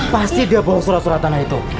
pasti dia bawa surat surat tanah itu